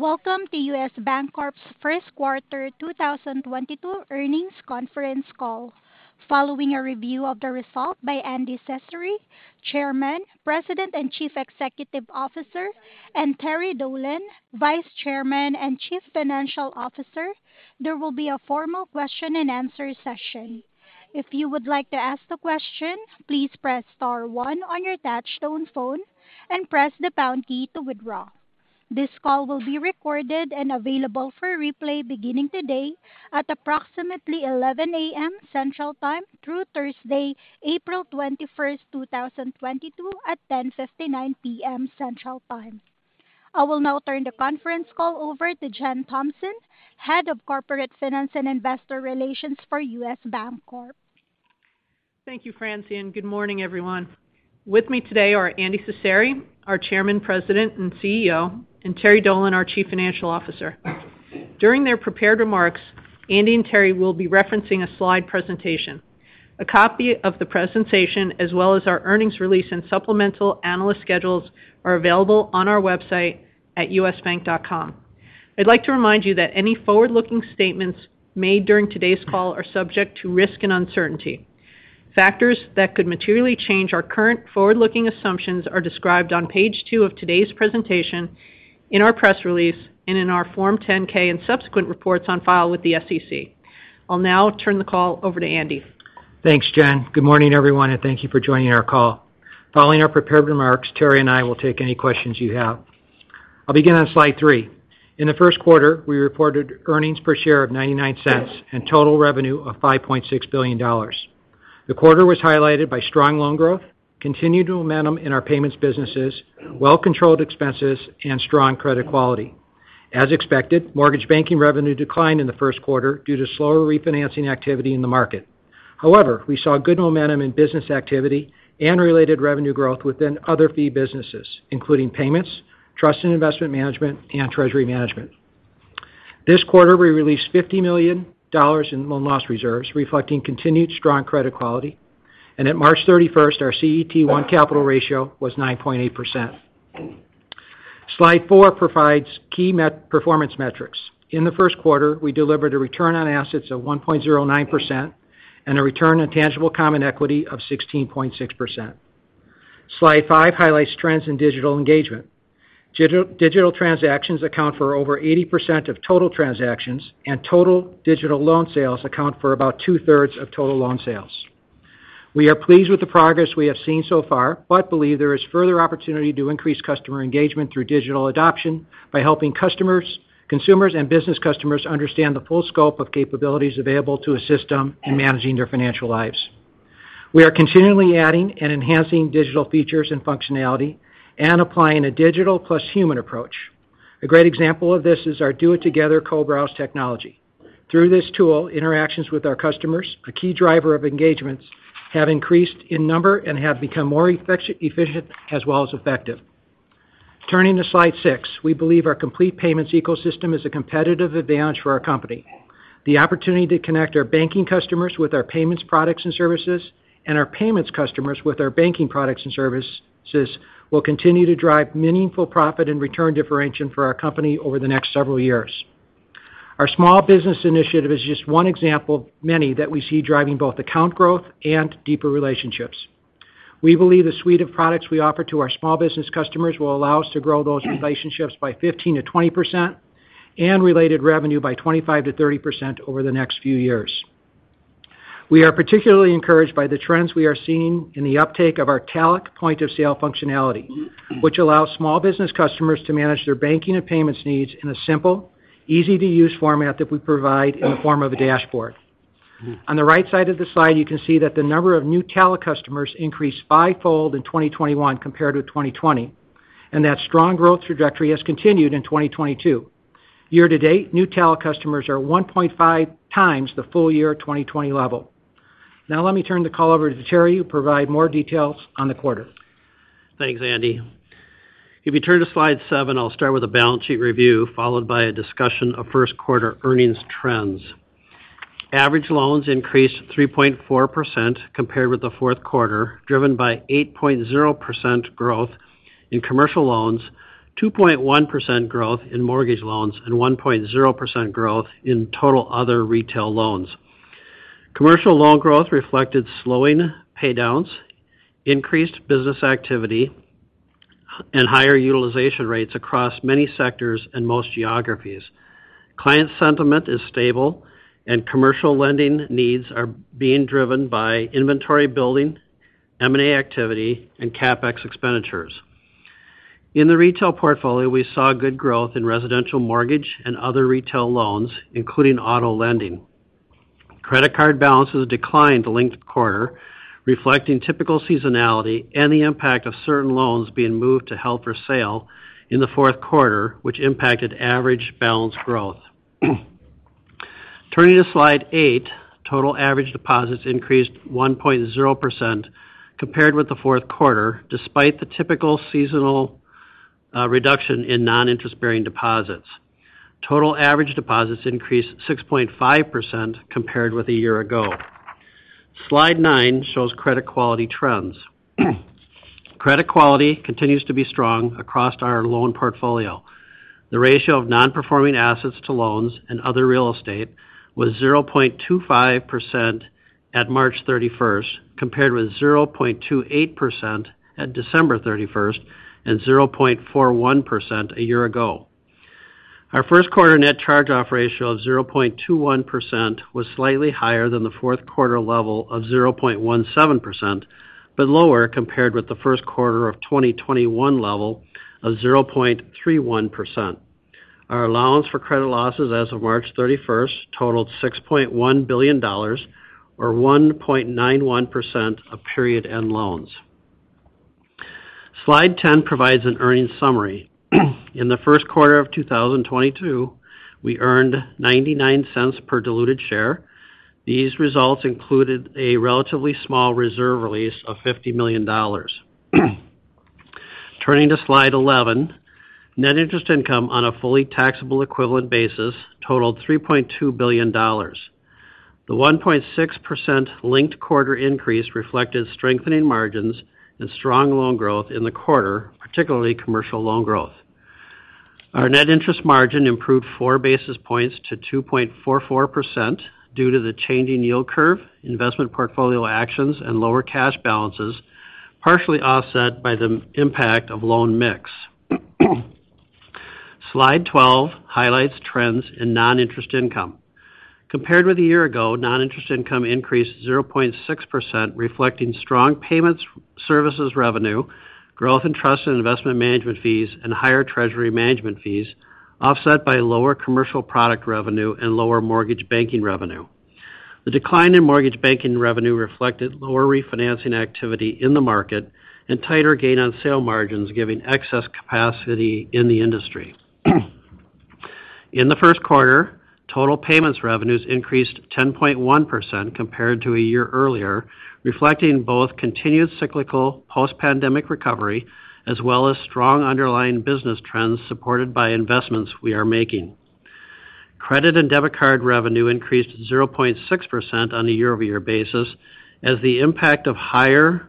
Welcome to U.S. Bancorp's first quarter 2022 earnings conference call. Following a review of the results by Andy Cecere, Chairman, President, and Chief Executive Officer, and Terry Dolan, Vice Chairman and Chief Financial Officer, there will be a formal question-and-answer session. If you would like to ask the question, please press star one on your touchtone phone and press the pound key to withdraw. This call will be recorded and available for replay beginning today at approximately 11 A.M. Central Time through Thursday, April 21, 2022 at 10:59 P.M. Central Time. I will now turn the conference call over to Jennifer Thompson, Head of Corporate Finance and Investor Relations for U.S. Bancorp. Thank you, Francine. Good morning, everyone. With me today are Andy Cecere, our Chairman, President, and CEO, and Terry Dolan, our Chief Financial Officer. During their prepared remarks, Andy and Terry will be referencing a slide presentation. A copy of the presentation as well as our earnings release and supplemental analyst schedules are available on our website at usbank.com. I'd like to remind you that any forward-looking statements made during today's call are subject to risk and uncertainty. Factors that could materially change our current forward-looking assumptions are described on page two of today's presentation in our press release and in our Form 10-K and subsequent reports on file with the SEC. I'll now turn the call over to Andy. Thanks, Jen. Good morning, everyone, and thank you for joining our call. Following our prepared remarks, Terry and I will take any questions you have. I'll begin on slide 3. In the first quarter, we reported earnings per share of $0.99 and total revenue of $5.6 billion. The quarter was highlighted by strong loan growth, continued momentum in our payments businesses, well controlled expenses, and strong credit quality. As expected, mortgage banking revenue declined in the first quarter due to slower refinancing activity in the market. However, we saw good momentum in business activity and related revenue growth within other fee businesses, including payments, trust and investment management, and treasury management. This quarter, we released $50 million in loan loss reserves reflecting continued strong credit quality. At March 31, our CET1 capital ratio was 9.8%. Slide four provides key performance metrics. In the first quarter, we delivered a return on assets of 1.09% and a return on tangible common equity of 16.6%. Slide 5 highlights trends in digital engagement. Digital transactions account for over 80% of total transactions, and total digital loan sales account for about two-thirds of total loan sales. We are pleased with the progress we have seen so far, but believe there is further opportunity to increase customer engagement through digital adoption by helping customers, consumers and business customers understand the full scope of capabilities available to assist them in managing their financial lives. We are continually adding and enhancing digital features and functionality and applying a digital plus human approach. A great example of this is our Do It Together co-browse technology. Through this tool, interactions with our customers, a key driver of engagements, have increased in number and have become more efficient as well as effective. Turning to slide 6. We believe our complete payments ecosystem is a competitive advantage for our company. The opportunity to connect our banking customers with our payments products and services and our payments customers with our banking products and services will continue to drive meaningful profit and return differentiation for our company over the next several years. Our small business initiative is just one example of many that we see driving both account growth and deeper relationships. We believe the suite of products we offer to our small business customers will allow us to grow those relationships by 15%-20% and related revenue by 25%-30% over the next few years. We are particularly encouraged by the trends we are seeing in the uptake of our Talech point-of-sale functionality, which allows small business customers to manage their banking and payments needs in a simple, easy-to-use format that we provide in the form of a dashboard. On the right side of the slide, you can see that the number of new Talech customers increased fivefold in 2021 compared with 2020, and that strong growth trajectory has continued in 2022. Year to date, new Talech customers are 1.5 times the full year 2020 level. Now let me turn the call over to Terry, who'll provide more details on the quarter. Thanks, Andy. If you turn to slide 7, I'll start with a balance sheet review, followed by a discussion of first quarter earnings trends. Average loans increased 3.4% compared with the fourth quarter, driven by 8.0% growth in commercial loans, 2.1% growth in mortgage loans, and 1.0% growth in total other retail loans. Commercial loan growth reflected slowing pay downs, increased business activity, and higher utilization rates across many sectors and most geographies. Client sentiment is stable and commercial lending needs are being driven by inventory building, M&A activity, and CapEx expenditures. In the retail portfolio, we saw good growth in residential mortgage and other retail loans, including auto lending. Credit card balances declined linked quarter, reflecting typical seasonality and the impact of certain loans being moved to held for sale in the fourth quarter, which impacted average balance growth. Turning to slide eight. Total average deposits increased 1.0% compared with the fourth quarter, despite the typical seasonal reduction in non-interest-bearing deposits. Total average deposits increased 6.5% compared with a year ago. Slide nine shows credit quality trends. Credit quality continues to be strong across our loan portfolio. The ratio of non-performing assets to loans and other real estate was 0.25% at March thirty-first, compared with 0.28% at December thirty-first and 0.41% a year ago. Our first quarter net charge-off ratio of 0.21% was slightly higher than the fourth quarter level of 0.17%, but lower compared with the first quarter of 2021 level of 0.31%. Our allowance for credit losses as of March 31 totaled $6.1 billion or 1.91% of period-end loans. Slide 10 provides an earnings summary. In the first quarter of 2022, we earned $0.99 per diluted share. These results included a relatively small reserve release of $50 million. Turning to Slide 11, net interest income on a fully taxable-equivalent basis totaled $3.2 billion. The 1.6% linked-quarter increase reflected strengthening margins and strong loan growth in the quarter, particularly commercial loan growth. Our net interest margin improved 4 basis points to 2.44% due to the changing yield curve, investment portfolio actions, and lower cash balances, partially offset by the impact of loan mix. Slide 12 highlights trends in non-interest income. Compared with a year ago, non-interest income increased 0.6%, reflecting strong payments services revenue, growth in trust and investment management fees, and higher treasury management fees, offset by lower commercial product revenue and lower mortgage banking revenue. The decline in mortgage banking revenue reflected lower refinancing activity in the market and tighter gain on sale margins, given excess capacity in the industry. In the first quarter, total payments revenues increased 10.1% compared to a year earlier, reflecting both continued cyclical post-pandemic recovery as well as strong underlying business trends supported by investments we are making. Credit and debit card revenue increased 0.6% on a year-over-year basis as the impact of higher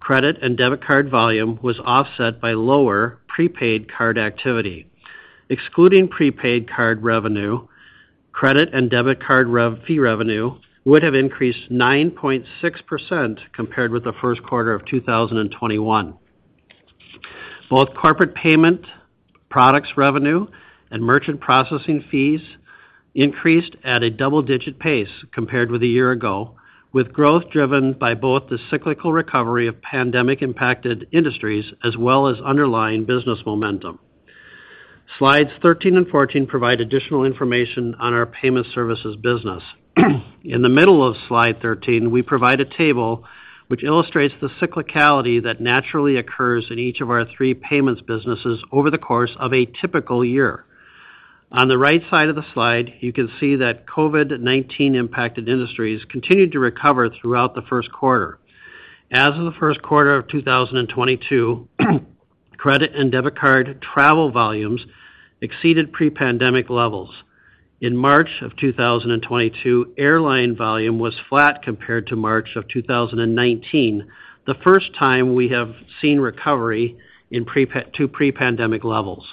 credit and debit card volume was offset by lower prepaid card activity. Excluding prepaid card revenue, credit and debit card fee revenue would have increased 9.6% compared with the first quarter of 2021. Both corporate payment products revenue and merchant processing fees increased at a double-digit pace compared with a year ago, with growth driven by both the cyclical recovery of pandemic impacted industries as well as underlying business momentum. Slides 13 and 14 provide additional information on our payment services business. In the middle of slide 13, we provide a table which illustrates the cyclicality that naturally occurs in each of our 3 payments businesses over the course of a typical year. On the right side of the slide, you can see that COVID-19 impacted industries continued to recover throughout the first quarter. As of the first quarter of 2022, credit and debit card travel volumes exceeded pre-pandemic levels. In March of 2022, airline volume was flat compared to March of 2019, the first time we have seen recovery in pre-pandemic levels.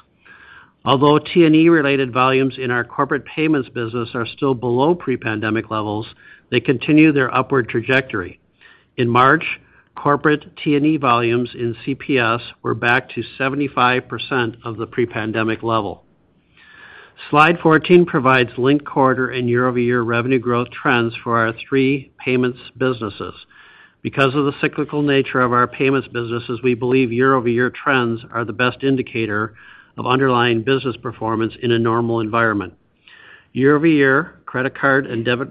Although T&E related volumes in our corporate payments business are still below pre-pandemic levels, they continue their upward trajectory. In March, corporate T&E volumes in CPS were back to 75% of the pre-pandemic level. Slide 14 provides linked quarter and year-over-year revenue growth trends for our three payments businesses. Because of the cyclical nature of our payments businesses, we believe year-over-year trends are the best indicator of underlying business performance in a normal environment. Year-over-year credit card and debit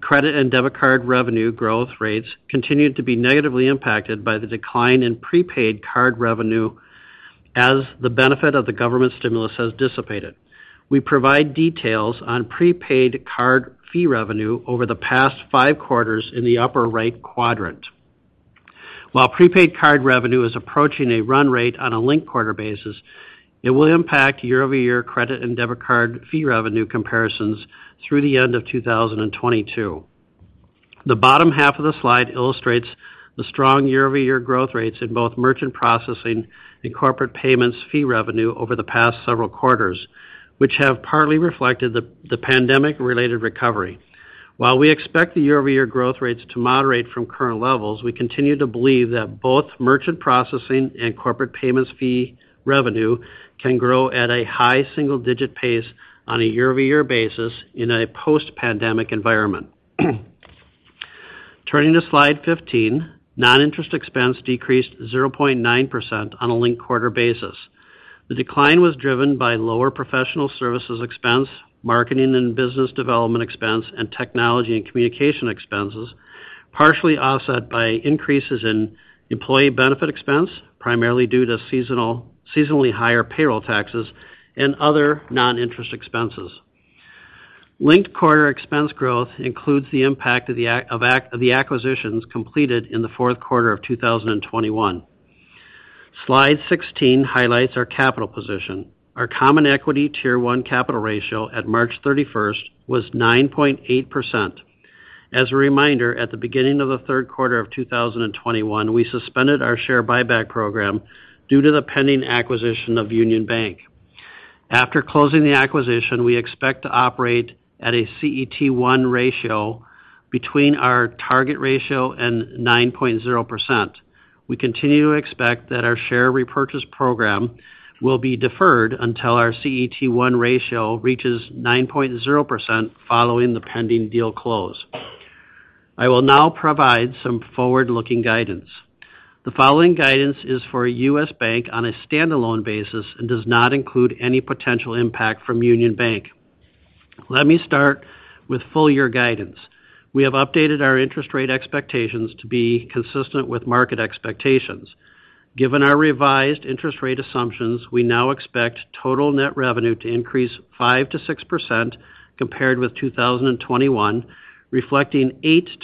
credit and debit card revenue growth rates continued to be negatively impacted by the decline in prepaid card revenue as the benefit of the government stimulus has dissipated. We provide details on prepaid card fee revenue over the past five quarters in the upper right quadrant. While prepaid card revenue is approaching a run rate on a linked quarter basis, it will impact year-over-year credit and debit card fee revenue comparisons through the end of 2022. The bottom half of the slide illustrates the strong year-over-year growth rates in both merchant processing and corporate payments fee revenue over the past several quarters, which have partly reflected the pandemic related recovery. While we expect the year-over-year growth rates to moderate from current levels, we continue to believe that both merchant processing and corporate payments fee revenue can grow at a high single digit pace on a year-over-year basis in a post-pandemic environment. Turning to slide 15, non-interest expense decreased 0.9% on a linked quarter basis. The decline was driven by lower professional services expense, marketing and business development expense, and technology and communication expenses, partially offset by increases in employee benefit expense, primarily due to seasonally higher payroll taxes and other non-interest expenses. Linked quarter expense growth includes the impact of the acquisitions completed in the fourth quarter of 2021. Slide 16 highlights our capital position. Our common equity Tier 1 capital ratio at March 31 was 9.8%. As a reminder, at the beginning of the third quarter of 2021, we suspended our share buyback program due to the pending acquisition of Union Bank. After closing the acquisition, we expect to operate at a CET1 ratio between our target ratio and 9.0%. We continue to expect that our share repurchase program will be deferred until our CET1 ratio reaches 9.0% following the pending deal close. I will now provide some forward-looking guidance. The following guidance is for a U.S. Bank on a standalone basis and does not include any potential impact from Union Bank. Let me start with full year guidance. We have updated our interest rate expectations to be consistent with market expectations. Given our revised interest rate assumptions, we now expect total net revenue to increase 5%-6% compared with 2021, reflecting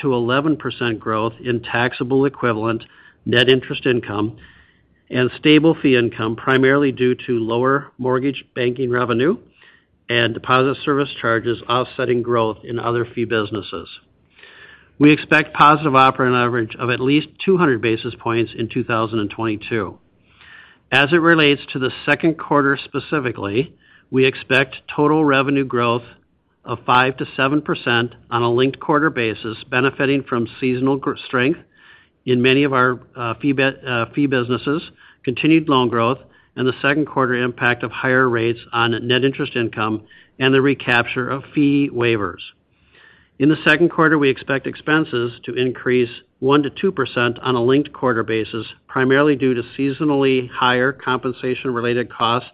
8%-11% growth in taxable equivalent net interest income and stable fee income, primarily due to lower mortgage banking revenue and deposit service charges offsetting growth in other fee businesses. We expect positive operating leverage of at least 200 basis points in 2022. As it relates to the second quarter specifically, we expect total revenue growth of 5%-7% on a linked quarter basis, benefiting from seasonal strength in many of our fee businesses, continued loan growth, and the second quarter impact of higher rates on net interest income and the recapture of fee waivers. In the second quarter, we expect expenses to increase 1%-2% on a linked quarter basis, primarily due to seasonally higher compensation-related costs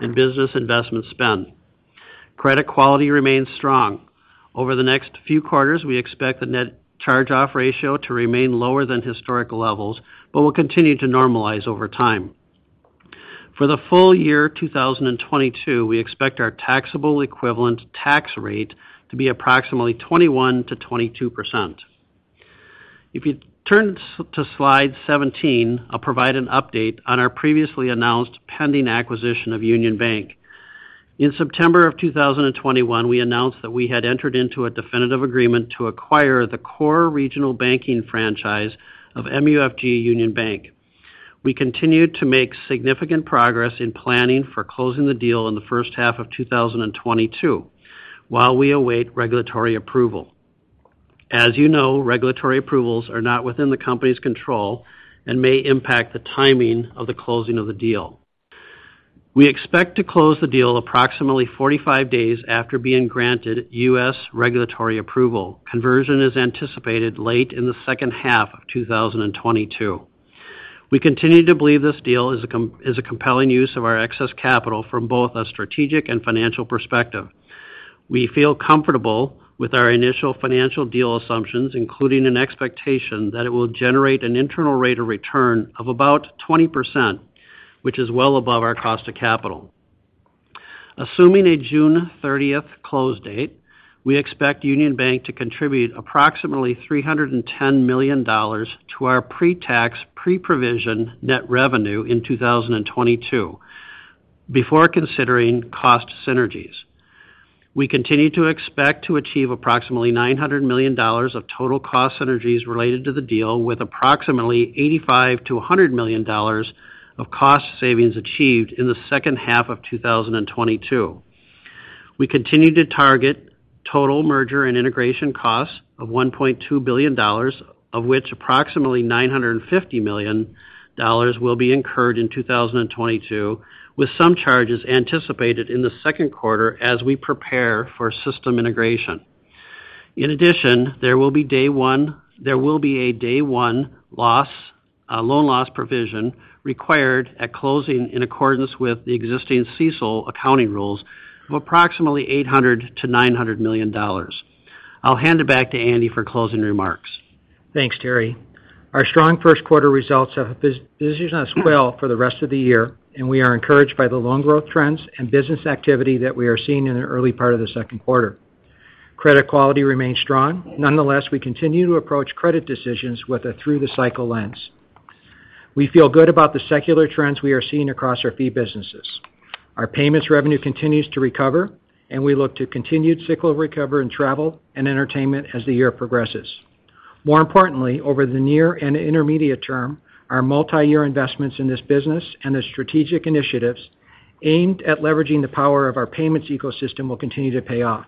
and business investment spend. Credit quality remains strong. Over the next few quarters, we expect the net charge-off ratio to remain lower than historical levels, but will continue to normalize over time. For the full year 2022, we expect our taxable equivalent tax rate to be approximately 21%-22%. If you turn to slide 17, I'll provide an update on our previously announced pending acquisition of Union Bank. In September 2021, we announced that we had entered into a definitive agreement to acquire the core regional banking franchise of MUFG Union Bank. We continued to make significant progress in planning for closing the deal in the first half of 2022 while we await regulatory approval. As you know, regulatory approvals are not within the company's control and may impact the timing of the closing of the deal. We expect to close the deal approximately 45 days after being granted U.S. regulatory approval. Conversion is anticipated late in the second half of 2022. We continue to believe this deal is a compelling use of our excess capital from both a strategic and financial perspective. We feel comfortable with our initial financial deal assumptions, including an expectation that it will generate an internal rate of return of about 20%, which is well above our cost of capital. Assuming a June 30th close date, we expect Union Bank to contribute approximately $310 million to our pre-tax, pre-provision net revenue in 2022 before considering cost synergies. We continue to expect to achieve approximately $900 million of total cost synergies related to the deal, with approximately $85 million-$100 million of cost savings achieved in the second half of 2022. We continue to target total merger and integration costs of $1.2 billion, of which approximately $950 million will be incurred in 2022, with some charges anticipated in the second quarter as we prepare for system integration. In addition, there will be a day one loss, loan loss provision required at closing in accordance with the existing CECL accounting rules of approximately $800 million-$900 million. I'll hand it back to Andy for closing remarks. Thanks, Terry. Our strong first quarter results have business us well for the rest of the year, and we are encouraged by the loan growth trends and business activity that we are seeing in the early part of the second quarter. Credit quality remains strong. Nonetheless, we continue to approach credit decisions with a through the cycle lens. We feel good about the secular trends we are seeing across our fee businesses. Our payments revenue continues to recover, and we look to continued cyclical recovery in travel and entertainment as the year progresses. More importantly, over the near and intermediate term, our multi-year investments in this business and the strategic initiatives aimed at leveraging the power of our payments ecosystem will continue to pay off.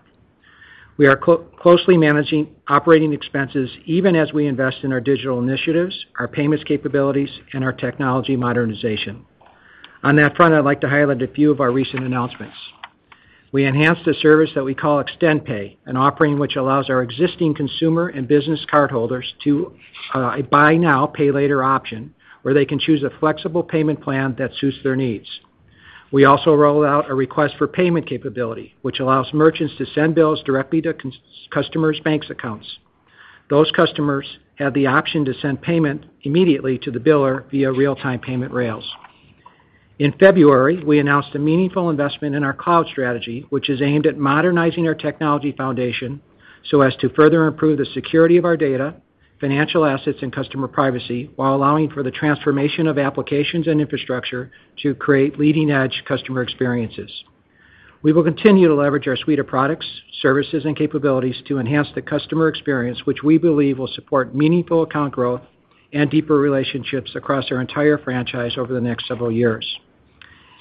We are closely managing operating expenses, even as we invest in our digital initiatives, our payments capabilities, and our technology modernization. On that front, I'd like to highlight a few of our recent announcements. We enhanced a service that we call ExtendPay, an offering which allows our existing consumer and business cardholders to a buy now, pay later option, where they can choose a flexible payment plan that suits their needs. We also rolled out a request for payment capability, which allows merchants to send bills directly to customers' bank accounts. Those customers have the option to send payment immediately to the biller via real-time payment rails. In February, we announced a meaningful investment in our cloud strategy, which is aimed at modernizing our technology foundation so as to further improve the security of our data, financial assets, and customer privacy while allowing for the transformation of applications and infrastructure to create leading-edge customer experiences. We will continue to leverage our suite of products, services, and capabilities to enhance the customer experience, which we believe will support meaningful account growth and deeper relationships across our entire franchise over the next several years.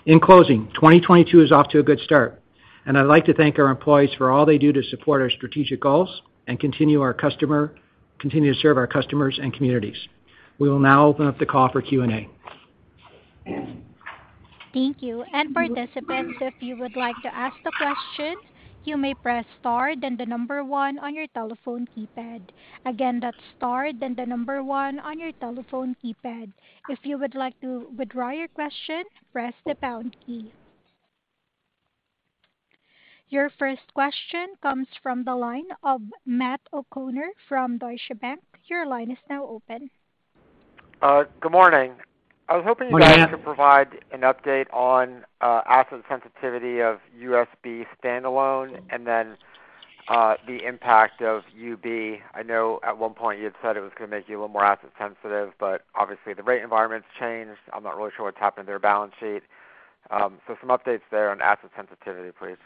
In closing, 2022 is off to a good start, and I'd like to thank our employees for all they do to support our strategic goals and continue to serve our customers and communities. We will now open up the call for Q&A. Thank you. Participants, if you would like to ask the question, you may press star then 1 on your telephone keypad. Again, that's star then 1 on your telephone keypad. If you would like to withdraw your question, press the pound key. Your first question comes from the line of Matt O'Connor from Deutsche Bank. Your line is now open. Good morning. Good morning. I was hoping you guys could provide an update on asset sensitivity of USB standalone and then the impact of UB. I know at one point you had said it was going to make you a little more asset sensitive, but obviously the rate environment's changed. I'm not really sure what's happened to their balance sheet. So some updates there on asset sensitivity, please.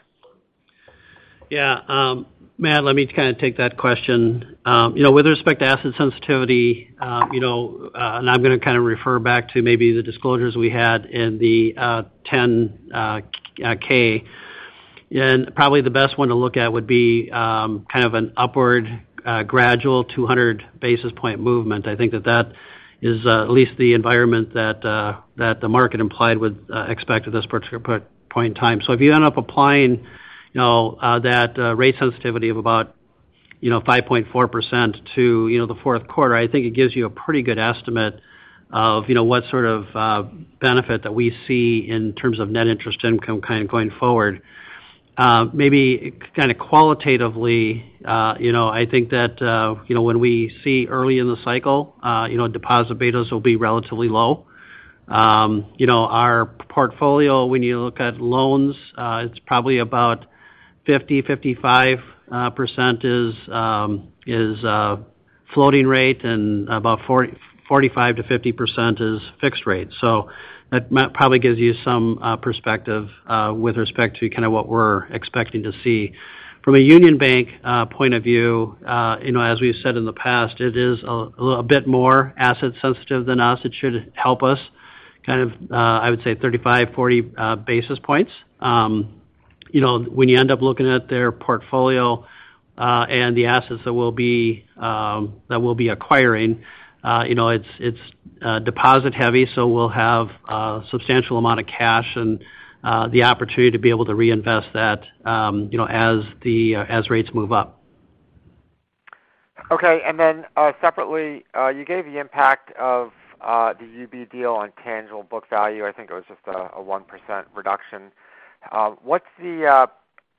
Yeah. Matt, let me kind of take that question. You know, with respect to asset sensitivity, you know, and I'm going to kind of refer back to maybe the disclosures we had in the 10-K. Probably the best one to look at would be kind of an upward, gradual 200 basis point movement. I think that is at least the environment that the market implied would expect at this particular point in time. If you end up applying, you know, that rate sensitivity of about, you know, 5.4% to, you know, the fourth quarter, I think it gives you a pretty good estimate of, you know, what sort of benefit that we see in terms of net interest income kind of going forward. Maybe kind of qualitatively, you know, I think that, you know, when we see early in the cycle, you know, deposit betas will be relatively low. You know, our portfolio, when you look at loans, it's probably about 50-55% is floating rate and about 45-50% is fixed rate. So that probably gives you some perspective with respect to kind of what we're expecting to see. From a Union Bank point of view, you know, as we've said in the past, it is a little bit more asset sensitive than us. It should help us kind of, I would say 35-40 basis points. You know, when you end up looking at their portfolio, and the assets that we'll be acquiring, you know, it's deposit heavy, so we'll have a substantial amount of cash and the opportunity to be able to reinvest that, you know, as rates move up. Separately, you gave the impact of the UB deal on tangible book value. I think it was just a 1% reduction. What's the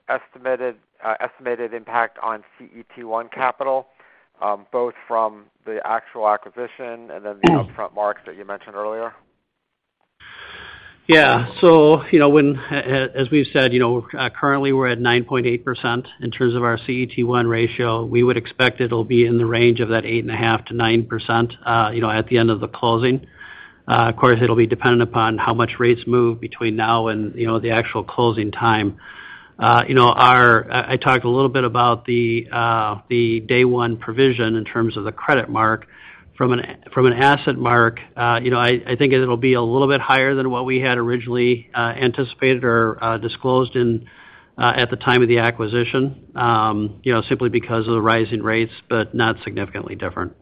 estimated impact on CET1 capital, both from the actual acquisition and then the upfront marks that you mentioned earlier? Yeah. You know, when, as we've said, you know, currently we're at 9.8% in terms of our CET1 ratio. We would expect it'll be in the range of that 8.5%-9%, you know, at the end of the closing. Of course, it'll be dependent upon how much rates move between now and, you know, the actual closing time. You know, I talked a little bit about the day one provision in terms of the credit mark. From an asset mark, you know, I think it'll be a little bit higher than what we had originally anticipated or disclosed at the time of the acquisition, you know, simply because of the rise in rates, but not significantly different.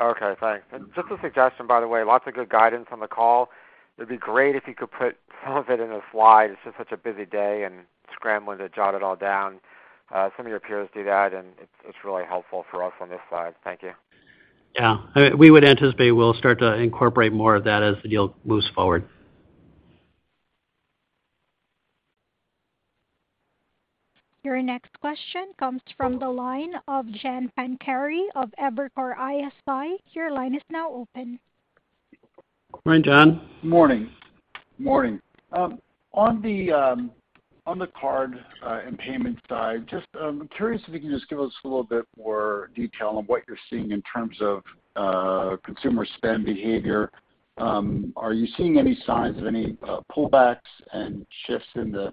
Okay, thanks. Just a suggestion, by the way, lots of good guidance on the call. It'd be great if you could put some of it in a slide. It's just such a busy day and scrambling to jot it all down. Some of your peers do that, and it's really helpful for us on this side. Thank you. Yeah. We would anticipate we'll start to incorporate more of that as the deal moves forward. Your next question comes from the line of John Pancari of Evercore ISI. Your line is now open. Morning, John. Morning. On the card and payment side, just curious if you can just give us a little bit more detail on what you're seeing in terms of consumer spend behavior. Are you seeing any signs of any pullbacks and shifts in the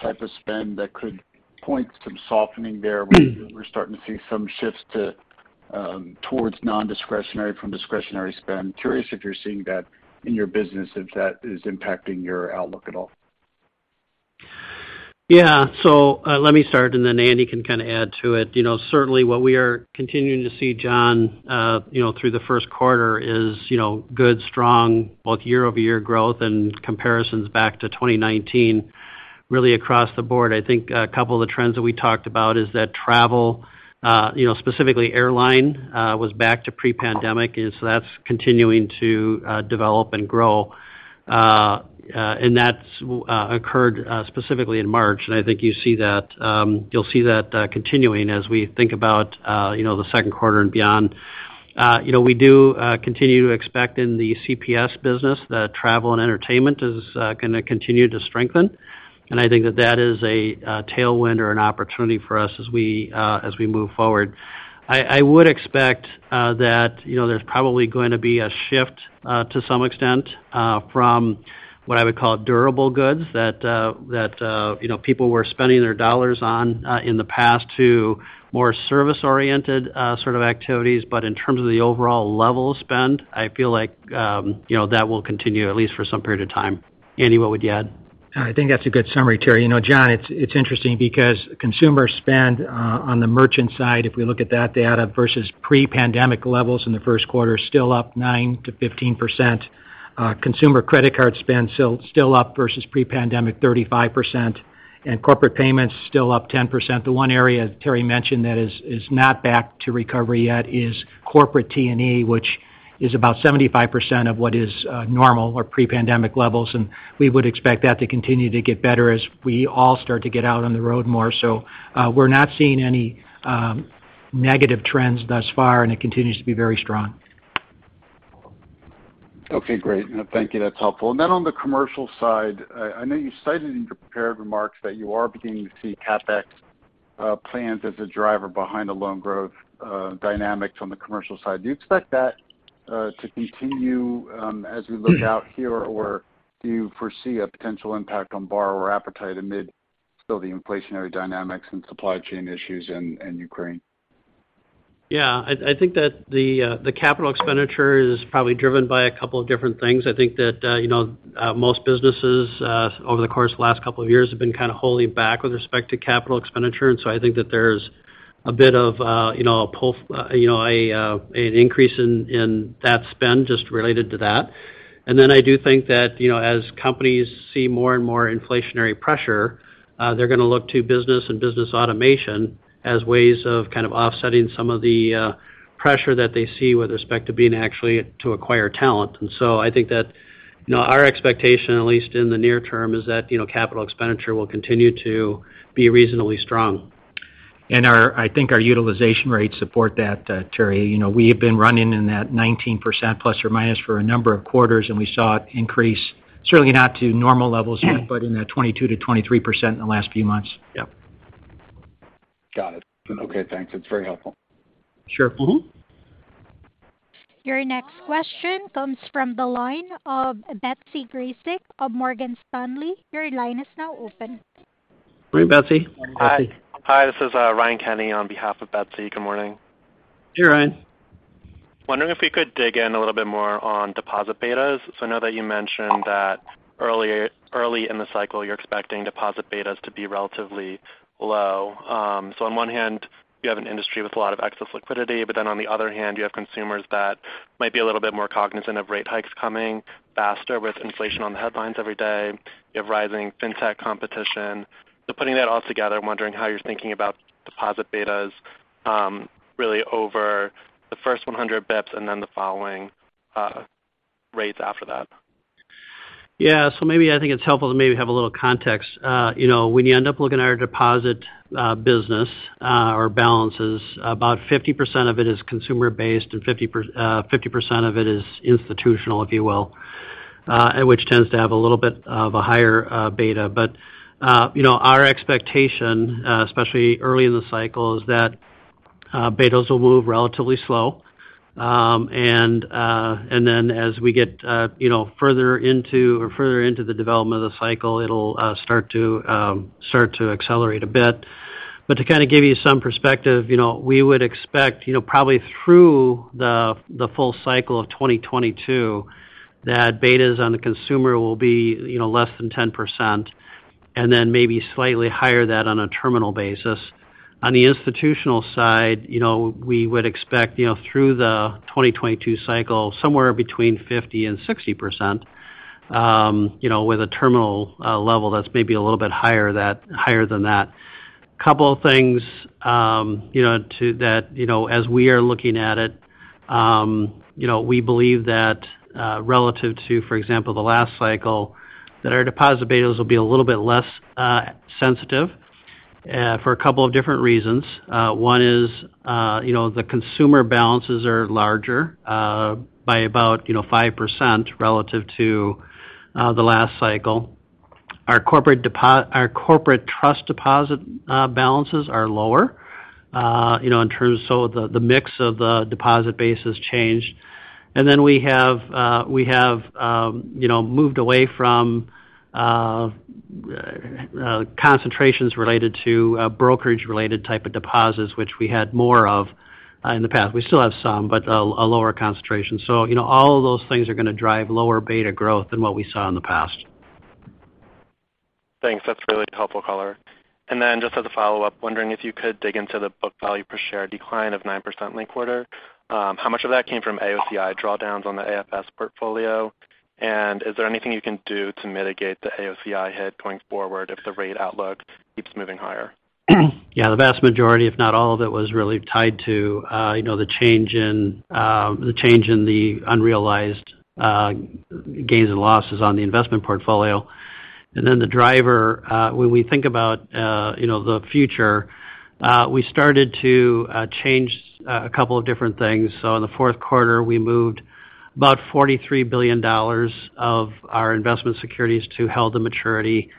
type of spend that could point to some softening there where we're starting to see some shifts towards nondiscretionary from discretionary spend? Curious if you're seeing that in your business, if that is impacting your outlook at all. Yeah. Let me start and then Andy can kind of add to it. You know, certainly what we are continuing to see, John, you know, through the first quarter is, you know, good, strong both year-over-year growth and comparisons back to 2019 really across the board. I think a couple of the trends that we talked about is that travel, you know, specifically airline, was back to pre-pandemic, and so that's continuing to develop and grow. That's occurred specifically in March. I think you see that, you'll see that continuing as we think about, you know, the second quarter and beyond. You know, we do continue to expect in the CPS business that travel and entertainment is gonna continue to strengthen. I think that is a tailwind or an opportunity for us as we move forward. I would expect that, you know, there's probably going to be a shift to some extent from what I would call durable goods that, you know, people were spending their dollars on in the past to more service-oriented sort of activities. But in terms of the overall level of spend, I feel like, you know, that will continue at least for some period of time. Andy, what would you add? I think that's a good summary, Terry. You know, John, it's interesting because consumer spend on the merchant side, if we look at that data versus pre-pandemic levels in the first quarter, still up 9%-15%. Consumer credit card spend still up versus pre-pandemic 35%, and corporate payments still up 10%. The one area Terry mentioned that is not back to recovery yet is corporate T&E, which is about 75% of what is normal or pre-pandemic levels, and we would expect that to continue to get better as we all start to get out on the road more. We're not seeing any negative trends thus far, and it continues to be very strong. Okay, great. Thank you. That's helpful. On the commercial side, I know you cited in your prepared remarks that you are beginning to see CapEx plans as a driver behind the loan growth dynamics on the commercial side. Do you expect that to continue as we look out here? Or do you foresee a potential impact on borrower appetite amid still the inflationary dynamics and supply chain issues in Ukraine? Yeah. I think that the capital expenditure is probably driven by a couple of different things. I think that you know, most businesses over the course of the last couple of years have been kind of holding back with respect to capital expenditure. I think that there's a bit of you know, an increase in that spend just related to that. I do think that you know, as companies see more and more inflationary pressure, they're gonna look to business and business automation as ways of kind of offsetting some of the pressure that they see with respect to being able to acquire talent. I think that, you know, our expectation, at least in the near term, is that, you know, capital expenditure will continue to be reasonably strong. I think our utilization rates support that, Terry. You know, we have been running in that 19% plus or minus for a number of quarters, and we saw it increase, certainly not to normal levels yet, but in that 22%-23% in the last few months. Yep. Got it. Okay, thanks. That's very helpful. Sure. Mm-hmm. Your next question comes from the line of Betsy Graseck of Morgan Stanley. Your line is now open. Morning, Betsy. Betsy. Hi. This is Ryan Kenny on behalf of Betsy. Good morning. Hey, Ryan. Wondering if we could dig in a little bit more on deposit betas. I know that you mentioned that earlier, early in the cycle, you're expecting deposit betas to be relatively low. On one hand, you have an industry with a lot of excess liquidity, but then on the other hand, you have consumers that might be a little bit more cognizant of rate hikes coming faster with inflation on the headlines every day. You have rising fintech competition. Putting that all together, I'm wondering how you're thinking about deposit betas, really over the first 100 basis points and then the following rates after that. Yeah, maybe I think it's helpful to maybe have a little context. You know, when you end up looking at our deposit business or balances, about 50% of it is consumer based and 50% of it is institutional, if you will, which tends to have a little bit of a higher beta. You know, our expectation, especially early in the cycle, is that betas will move relatively slow. Then as we get, you know, further into the development of the cycle, it'll start to accelerate a bit. To kind of give you some perspective, you know, we would expect, you know, probably through the full cycle of 2022, that betas on the consumer will be, you know, less than 10% and then maybe slightly higher than that on a terminal basis. On the institutional side, you know, we would expect, you know, through the 2022 cycle, somewhere between 50%-60%, you know, with a terminal level that's maybe a little bit higher than that. Couple of things, you know, to that, you know, as we are looking at it, you know, we believe that, relative to, for example, the last cycle, that our deposit betas will be a little bit less sensitive, for a couple of different reasons. One is, you know, the consumer balances are larger by about, you know, 5% relative to the last cycle. Our corporate trust deposit balances are lower, you know, so the mix of the deposit base has changed. We have, you know, moved away from concentrations related to brokerage-related type of deposits, which we had more of in the past. We still have some, but a lower concentration. You know, all of those things are gonna drive lower beta growth than what we saw in the past. Thanks. That's really helpful color. Just as a follow-up, wondering if you could dig into the book value per share decline of 9% linked quarter. How much of that came from AOCI drawdowns on the AFS portfolio? Is there anything you can do to mitigate the AOCI hit going forward if the rate outlook keeps moving higher? Yeah. The vast majority, if not all of it, was really tied to, you know, the change in the unrealized gains and losses on the investment portfolio. The driver, when we think about, you know, the future, we started to change a couple of different things. In the fourth quarter, we moved about $43 billion of our investment securities to held to maturity.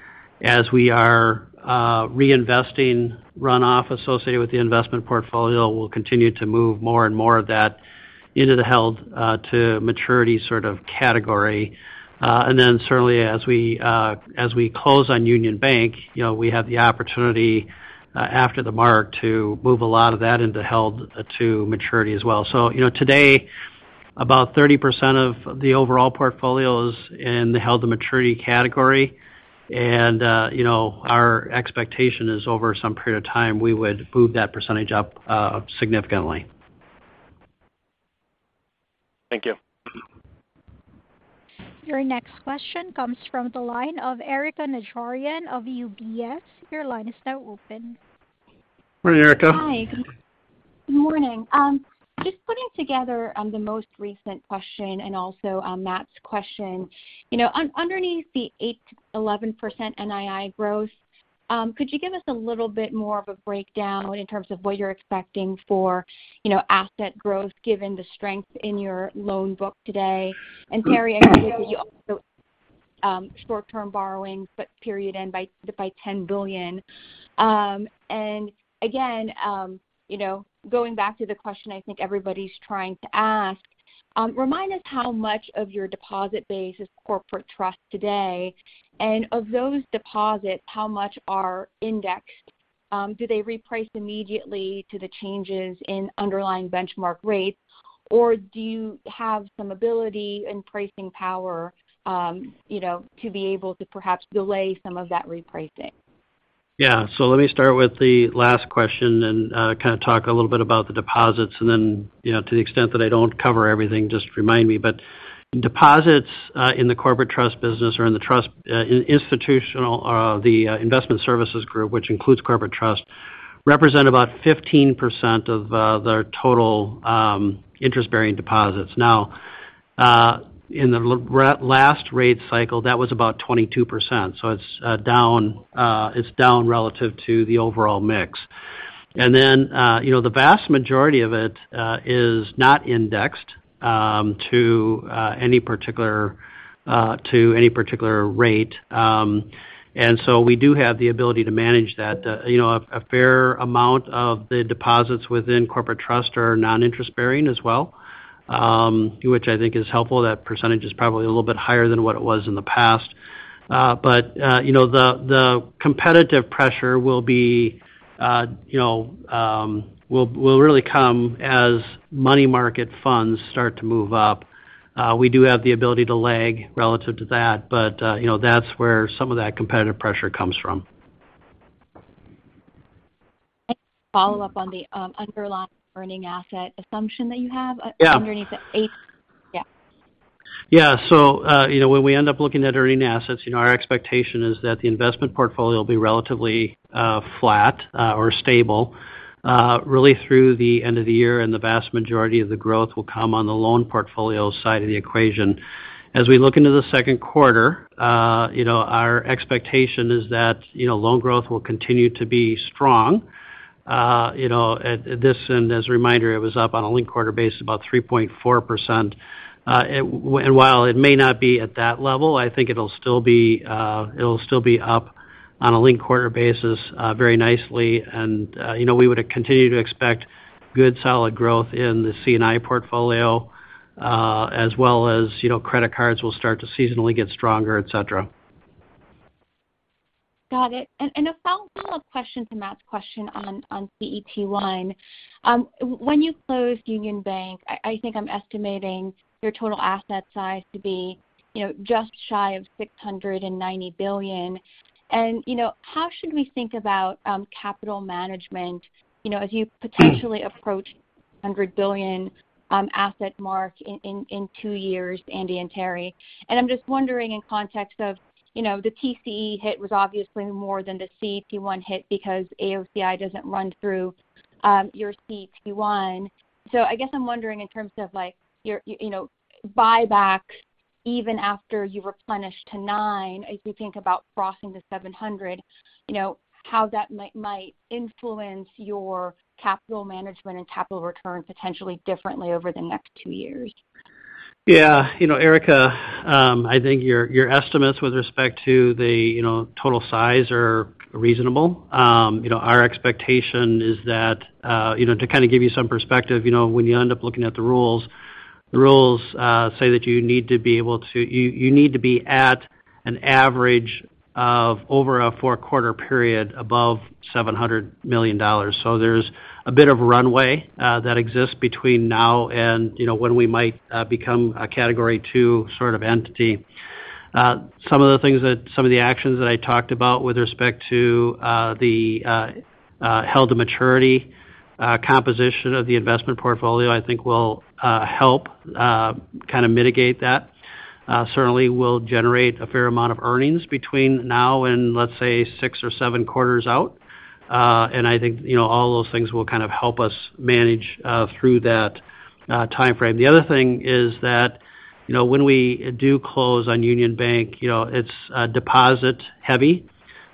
As we are reinvesting runoff associated with the investment portfolio, we'll continue to move more and more of that into the held to maturity sort of category. Certainly as we close on Union Bank, you know, we have the opportunity after the mark to move a lot of that into held to maturity as well. You know, today, about 30% of the overall portfolio is in the held to maturity category. You know, our expectation is over some period of time, we would move that percentage up significantly. Thank you. Your next question comes from the line of Erika Najarian of UBS. Your line is now open. Hi, Erika. Hi. Good morning. Just putting together the most recent question and also Matt's question. You know, underneath the 8%-11% NII growth, could you give us a little bit more of a breakdown in terms of what you're expecting for, you know, asset growth, given the strength in your loan book today? Terry, I know you also short-term borrowings, but period end by $10 billion. Again, you know, going back to the question I think everybody's trying to ask, remind us how much of your deposit base is Corporate Trust today. And of those deposits, how much are indexed? Do they reprice immediately to the changes in underlying benchmark rates? Or do you have some ability and pricing power, you know, to be able to perhaps delay some of that repricing? Yeah. Let me start with the last question and kind of talk a little bit about the deposits, and then, you know, to the extent that I don't cover everything, just remind me. Deposits in the Corporate Trust business or in institutional or the Investment Services Group, which includes Corporate Trust, represent about 15% of their total interest-bearing deposits. Now, in the last rate cycle, that was about 22%. It's down relative to the overall mix. You know, the vast majority of it is not indexed to any particular rate. We do have the ability to manage that. You know, a fair amount of the deposits within Corporate Trust are non-interest-bearing as well, which I think is helpful. That percentage is probably a little bit higher than what it was in the past. You know, the competitive pressure will really come as money market funds start to move up. We do have the ability to lag relative to that, but you know, that's where some of that competitive pressure comes from. Follow up on the underlying earning asset assumption that you have? Yeah. Underneath the 8. Yeah. Yeah. You know, when we end up looking at earning assets, you know, our expectation is that the investment portfolio will be relatively flat or stable really through the end of the year, and the vast majority of the growth will come on the loan portfolio side of the equation. As we look into the second quarter, you know, our expectation is that, you know, loan growth will continue to be strong. You know, at this, and as a reminder, it was up on a linked-quarter basis about 3.4%. While it may not be at that level, I think it'll still be up on a linked-quarter basis very nicely. You know, we would continue to expect good, solid growth in the C&I portfolio, as well as, you know, credit cards will start to seasonally get stronger, et cetera. Got it. A follow-up question to Matt's question on CET1. When you closed Union Bank, I think I'm estimating your total asset size to be, you know, just shy of $690 billion. How should we think about, you know, capital management as you potentially approach $700 billion asset mark in 2 years, Andy and Terry? I'm just wondering in context of, you know, the TCE hit was obviously more than the CET1 hit because AOCI doesn't run through your CET1. I guess I'm wondering in terms of, like, your, you know, buyback even after you replenish to 9, as we think about crossing the $700 billion, you know, how that might influence your capital management and capital return potentially differently over the next 2 years. Yeah. You know, Erika, I think your estimates with respect to the, you know, total size are reasonable. You know, our expectation is that, you know, to kind of give you some perspective, you know, when you end up looking at the rules, say that you need to be at an average of over a four-quarter period above $700 million. There's a bit of runway that exists between now and, you know, when we might become a Category II sort of entity. Some of the actions that I talked about with respect to the held to maturity composition of the investment portfolio, I think will help kind of mitigate that. Certainly will generate a fair amount of earnings between now and, let's say, six or seven quarters out. I think, you know, all those things will kind of help us manage through that time frame. The other thing is that, you know, when we do close on Union Bank, you know, it's deposit heavy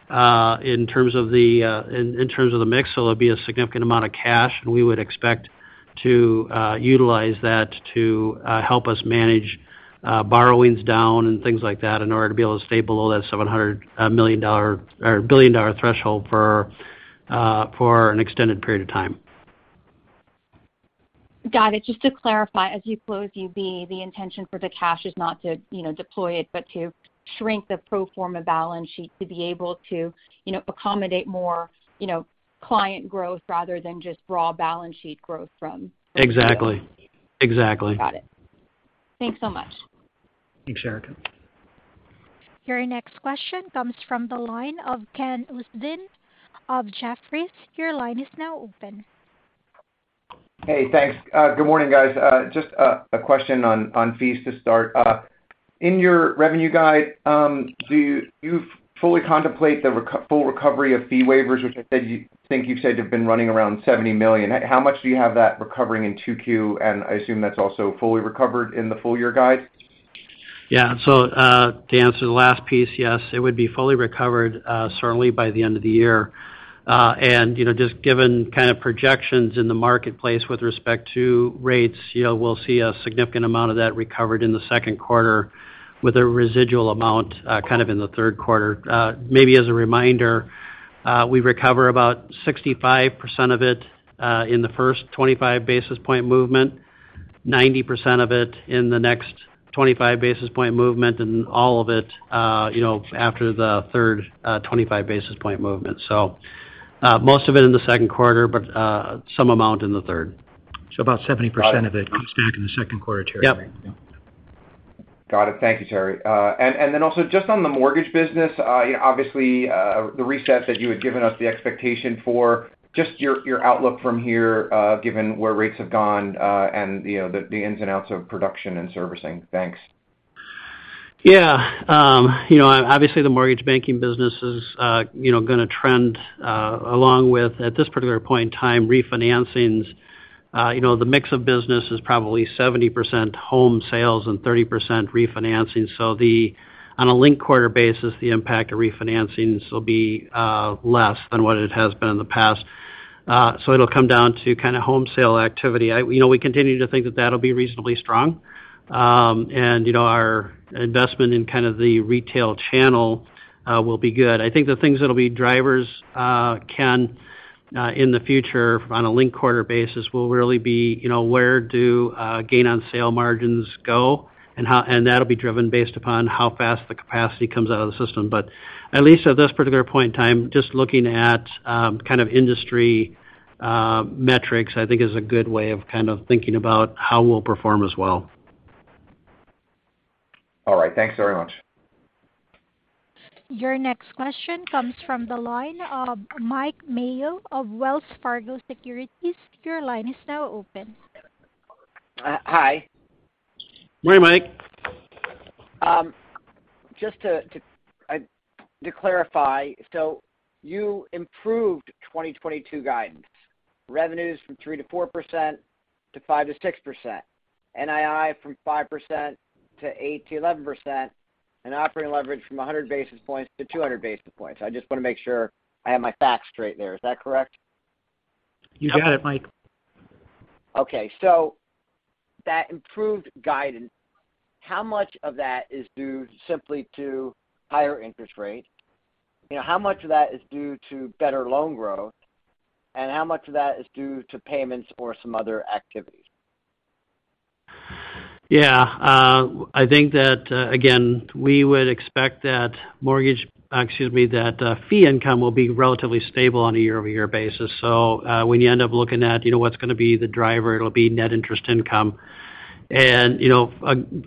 in terms of the mix. So there'll be a significant amount of cash, and we would expect to utilize that to help us manage borrowings down and things like that in order to be able to stay below that $700 billion threshold for an extended period of time. Got it. Just to clarify, as you close UB, the intention for the cash is not to, you know, deploy it, but to shrink the pro forma balance sheet to be able to, you know, accommodate more, you know, client growth rather than just raw balance sheet growth from. Exactly. Got it. Thanks so much. Thanks, Erika. Your next question comes from the line of Kenneth Usdin of Jefferies. Your line is now open. Hey, thanks. Good morning, guys. Just a question on fees to start. In your revenue guide, do you fully contemplate the full recovery of fee waivers, which I said you think you've said have been running around $70 million. How much do you have that recovering in 2Q? And I assume that's also fully recovered in the full year guide. Yeah. To answer the last piece, yes, it would be fully recovered, certainly by the end of the year. You know, just given kind of projections in the marketplace with respect to rates, you know, we'll see a significant amount of that recovered in the second quarter with a residual amount, kind of in the third quarter. Maybe as a reminder, we recover about 65% of it in the first 25 basis point movement, 90% of it in the next 25 basis point movement, and all of it, you know, after the third 25 basis point movement. Most of it in the second quarter, but some amount in the third. About 70% of it comes back in the second quarter, Terry. Yep. Got it. Thank you, Terry. Also just on the mortgage business, obviously, the reset that you had given us the expectation for just your outlook from here, given where rates have gone, and you know, the ins and outs of production and servicing. Thanks. Yeah. You know, obviously the mortgage banking business is you know gonna trend along with at this particular point in time refinancings. You know, the mix of business is probably 70% home sales and 30% refinancing. On a linked quarter basis, the impact of refinancing will be less than what it has been in the past. So it'll come down to kind of home sale activity. You know, we continue to think that that'll be reasonably strong. You know, our investment in kind of the retail channel will be good. I think the things that'll be drivers in the future on a linked quarter basis will really be you know where the gain on sale margins go and how. That'll be driven based upon how fast the capacity comes out of the system. At least at this particular point in time, just looking at kind of industry metrics, I think is a good way of kind of thinking about how we'll perform as well. All right. Thanks very much. Your next question comes from the line of Mike Mayo of Wells Fargo Securities. Your line is now open. Hi. Morning, Mike. Just to clarify, you improved 2022 guidance revenues from 3%-4% to 5%-6%, NII from 5% to 8%-11%, and operating leverage from 100 basis points to 200 basis points. I just wanna make sure I have my facts straight there. Is that correct? You got it, Mike. Okay. That improved guidance, how much of that is due simply to higher interest rate? You know, how much of that is due to better loan growth, and how much of that is due to payments or some other activities? Yeah. I think that, again, we would expect that fee income will be relatively stable on a year-over-year basis. When you end up looking at, you know, what's gonna be the driver, it'll be net interest income. You know,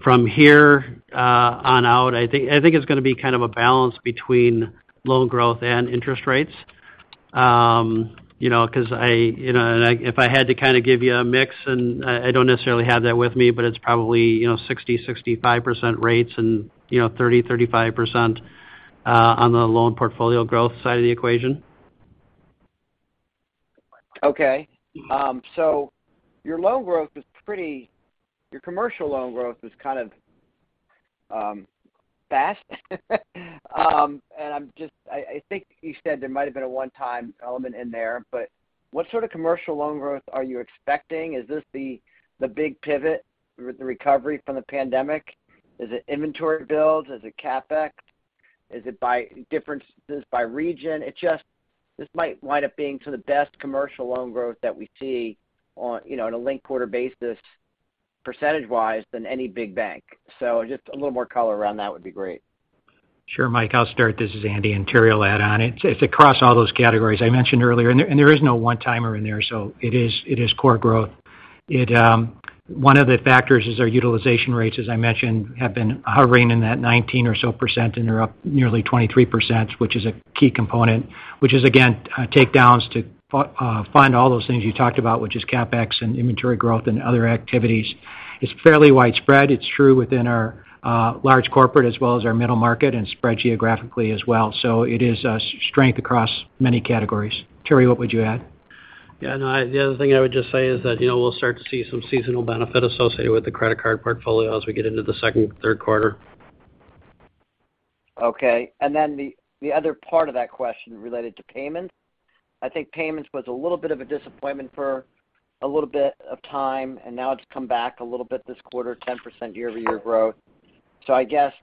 from here on out, I think it's gonna be kind of a balance between loan growth and interest rates. You know, 'cause I. If I had to kind of give you a mix, and I don't necessarily have that with me, but it's probably, you know, 60%-65% rates and, you know, 30%-35%, on the loan portfolio growth side of the equation. Okay, your commercial loan growth is kind of fast. I think you said there might have been a one-time element in there, but what sort of commercial loan growth are you expecting? Is this the big pivot, the recovery from the pandemic? Is it inventory builds? Is it CapEx? Is it differences by region? It's just this might wind up being sort of the best commercial loan growth that we see, you know, on a linked quarter basis, percentage-wise, than any big bank. Just a little more color around that would be great. Sure, Mike. I'll start. This is Andy, and Terry will add on. It's across all those categories I mentioned earlier. There is no one-timer in there, so it is core growth. It, one of the factors is our utilization rates, as I mentioned, have been hovering in that 19% or so, and they're up nearly 23%, which is a key component. Which is again, takedowns to fund all those things you talked about, which is CapEx and inventory growth and other activities. It's fairly widespread. It's true within our large corporate as well as our middle market and spread geographically as well. It is a strength across many categories. Terry, what would you add? The other thing I would just say is that, you know, we'll start to see some seasonal benefit associated with the credit card portfolio as we get into the second and third quarter. Okay. The other part of that question related to payments. I think payments was a little bit of a disappointment for a little bit of time, and now it's come back a little bit this quarter, 10% year-over-year growth. I guess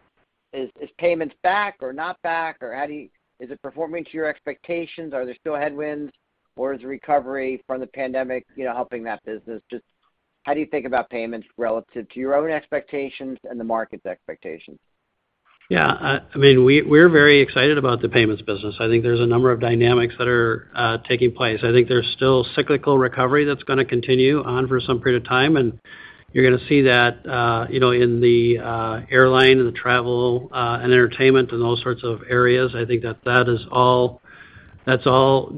is payments back or not back? Or how do you. Is it performing to your expectations? Are there still headwinds, or is the recovery from the pandemic, you know, helping that business? Just how do you think about payments relative to your own expectations and the market's expectations? Yeah. I mean, we're very excited about the payments business. I think there's a number of dynamics that are taking place. I think there's still cyclical recovery that's gonna continue on for some period of time, and you're gonna see that in the airline and the travel and entertainment and those sorts of areas. I think that is all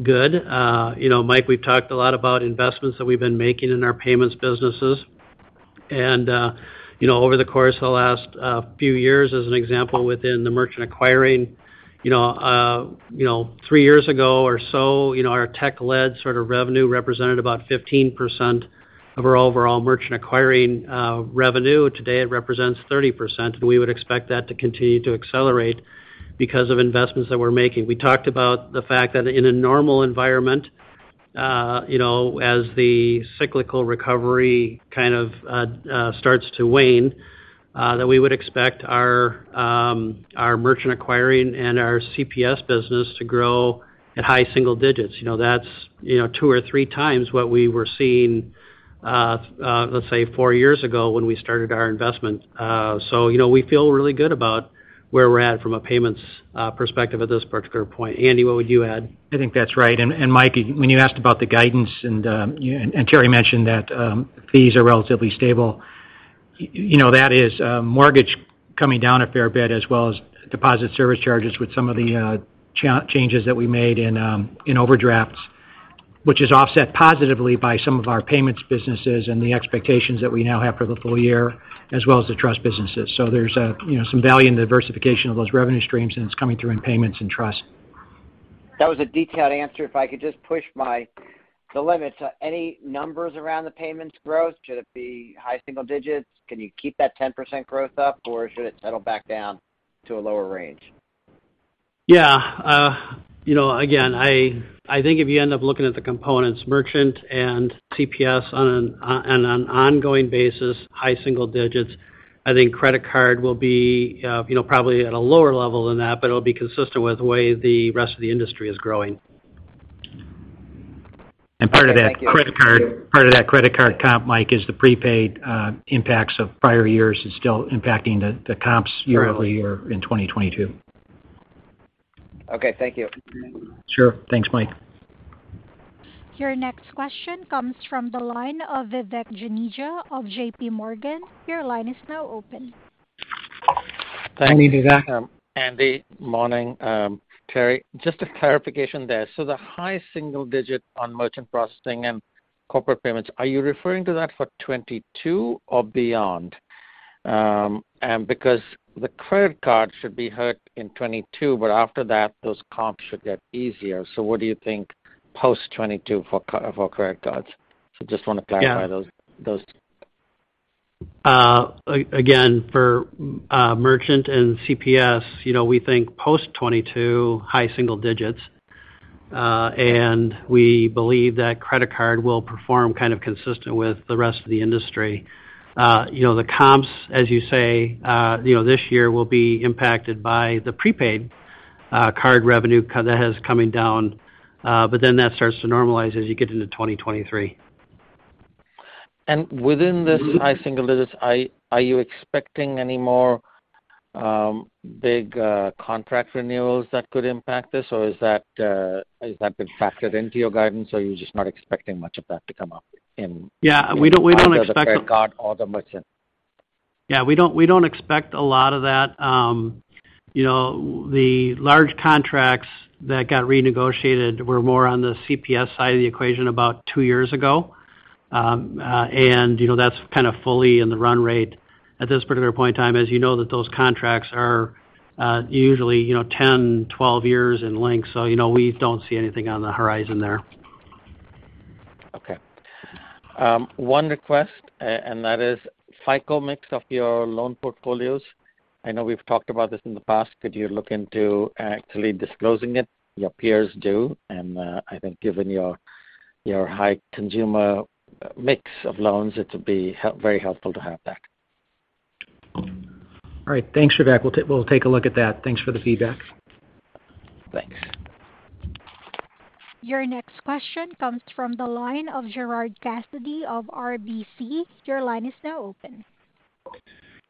good. Mike, we've talked a lot about investments that we've been making in our payments businesses. Over the course of the last few years, as an example, within the merchant acquiring, three years ago or so, our tech-led revenue represented about 15% of our overall merchant acquiring revenue. Today, it represents 30%, and we would expect that to continue to accelerate because of investments that we're making. We talked about the fact that in a normal environment, you know, as the cyclical recovery kind of starts to wane, that we would expect our merchant acquiring and our CPS business to grow at high single digits. You know, that's you know two or three times what we were seeing let's say four years ago when we started our investment. You know, we feel really good about where we're at from a payments perspective at this particular point. Andy, what would you add? I think that's right. Mike, when you asked about the guidance and Terry mentioned that fees are relatively stable, you know, that is, mortgage coming down a fair bit as well as deposit service charges with some of the changes that we made in overdrafts, which is offset positively by some of our payments businesses and the expectations that we now have for the full year, as well as the trust businesses. There's, you know, some value in the diversification of those revenue streams, and it's coming through in payments and trust. That was a detailed answer. If I could just push the limit to any numbers around the payments growth, should it be high single digits? Can you keep that 10% growth up, or should it settle back down to a lower range? Yeah. You know, again, I think if you end up looking at the components merchant and CPS on an ongoing basis, high single digits%. I think credit card will be, you know, probably at a lower level than that, but it'll be consistent with the way the rest of the industry is growing. Part of that credit card. Okay, thank you. Part of that credit card comp, Mike, is the prepaid impacts of prior years is still impacting the comps year over year in 2022. Okay, thank you. Sure. Thanks, Mike. Your next question comes from the line of Vivek Juneja of JPMorgan. Your line is now open. Hi, Vivek. Andy, morning. Terry, just a clarification there. The high single digit on merchant processing and corporate payments, are you referring to that for 2022 or beyond? Because the credit card should be hurt in 2022, but after that, those comps should get easier. What do you think post 2022 for credit cards? Just wanna clarify those. Again, for merchant and CPS, you know, we think post-2022, high single digits%. We believe that credit card will perform kind of consistent with the rest of the industry. You know, the comps, as you say, you know, this year will be impacted by the prepaid card revenue that is coming down, but then that starts to normalize as you get into 2023. Within this high single digits, are you expecting any more big contract renewals that could impact this? Or has that been factored into your guidance, or you're just not expecting much of that to come up in- Yeah, we don't expect- Under the credit card or the merchant? Yeah, we don't expect a lot of that. You know, the large contracts that got renegotiated were more on the CPS side of the equation about 2 years ago. You know, that's kind of fully in the run rate at this particular point in time. As you know that those contracts are usually 10, 12 years in length. You know, we don't see anything on the horizon there. Okay. One request, and that is FICO mix of your loan portfolios. I know we've talked about this in the past. Could you look into actually disclosing it? Your peers do, and I think given your high consumer mix of loans, it would be very helpful to have that. All right. Thanks, Vivek. We'll take a look at that. Thanks for the feedback. Thanks. Your next question comes from the line of Gerard Cassidy of RBC. Your line is now open.